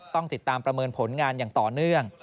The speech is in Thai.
ต้องติดตามประเมินผลงานอย่างต่อเนื่อง